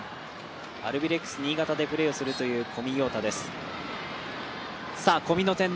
アルビレックス新潟でプレーをするという小見洋太です。